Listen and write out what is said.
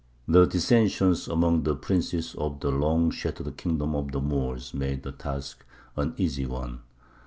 The dissensions among the princes of the long shattered kingdom of the Moors made the task an easy one.